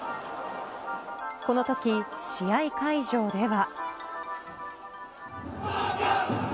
このとき、試合会場では。